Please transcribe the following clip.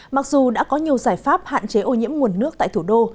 mặc dù đã có nhiều giải pháp hạn chế ô nhiễm nguồn nước tại thủ đô